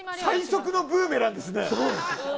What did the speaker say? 最速のブーメランですね。